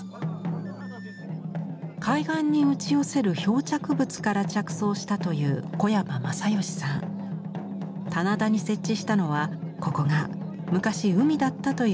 海岸に打ち寄せる漂着物から着想したという棚田に設置したのはここが昔海だったという想像からです。